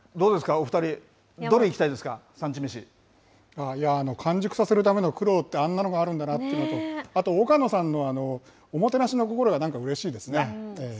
お２人、どれいきたいですか、産地完熟させるための苦労って、あんなのがあるんだなっていうのと、あと丘野さんのおもてなしのそうですね。